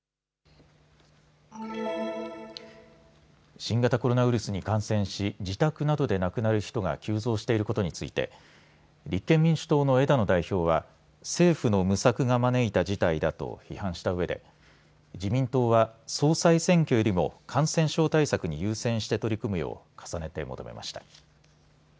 新型コロナウイルスに感染し、自宅などで亡くなる人が急増していることについて立憲民主党の枝野代表は政府の無策が招いた事態だと批判したうえで自民党は総裁選挙よりも感染症対策に優先して取り組むよう重ねて求めました。